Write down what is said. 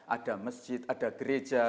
ada masjid ada gereja